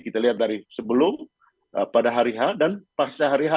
kita lihat dari sebelum pada hari h dan pasca hari h